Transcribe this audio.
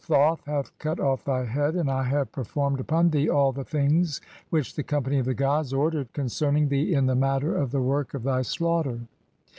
Thoth hath cut off thy head, and I have per formed upon thee all the things which the company of the gods "(3) ordered concerning thee in the matter of the work of thy "slaughter.